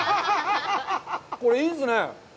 これ、いいですね。